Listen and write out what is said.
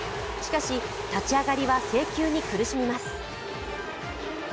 しかし、立ち上がりは制球に苦しみます。